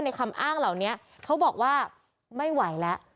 คำอ้างเหล่านี้เขาบอกว่าไม่ไหวแล้ว